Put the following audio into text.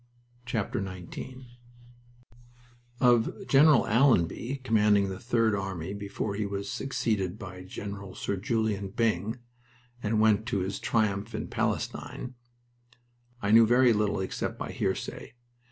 XIX Of General Allenby, commanding the Third Army before he was succeeded by Gen. Sir Julian Byng and went to his triumph in Palestine, I knew very little except by hearsay.